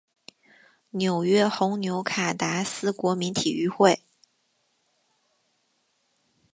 纽约红牛卡达斯国民体育会